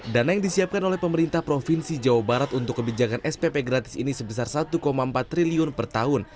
dana yang disiapkan oleh pemerintah provinsi jawa barat untuk kebijakan spp gratis ini sebesar satu empat triliun per tahun